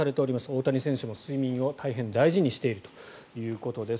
大谷選手も睡眠を大変大事にしているということです。